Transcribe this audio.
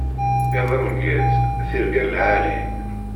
Iḍ ameggaz, tirga lɛali.